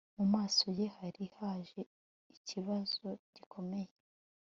Mu maso ye hari haje ikibazo gikomeye